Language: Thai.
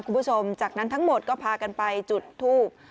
คุณผู้ชมจากนั้นทั้งหมดก็พากันไปจุดทูบ